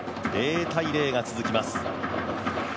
０−０が続きます。